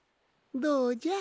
どうじゃ？